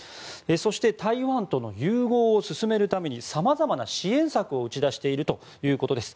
そして台湾との融合を進めるためにさまざまな支援策を打ち出しているということです。